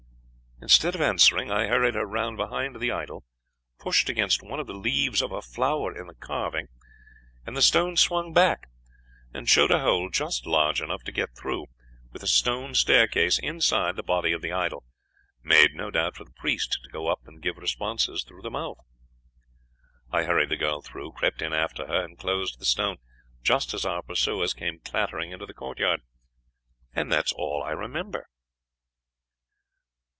"Instead of answering, I hurried her round behind the idol, pushed against one of the leaves of a flower in the carving, and the stone swung back, and showed a hole just large enough to get through, with a stone staircase inside the body of the idol, made, no doubt, for the priest to go up and give responses through the mouth. I hurried the girl through, crept in after her, and closed the stone, just as our pursuers came clattering into the courtyard. That is all I remember.'